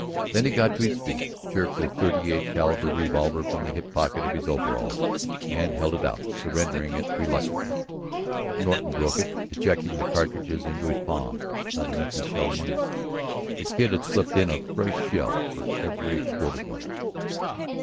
Then he got to his feet, jerked a thirty eight caliber revolver from the hip pocket of his overalls and held it out, surrendering it reluctantly. Norton "broke" it, ejecting the cartridges into his palm. Not an empty shell among them; the Kid had slipped in a fresh shell for every exploded one.